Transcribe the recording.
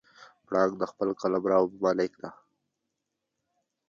پړانګ د خپل قلمرو مالک دی.